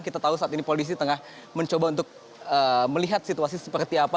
kita tahu saat ini polisi tengah mencoba untuk melihat situasi seperti apa